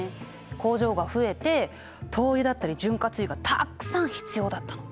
工場が増えて灯油だったり潤滑油がたくさん必要だったの。